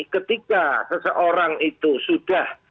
ketika seseorang itu sudah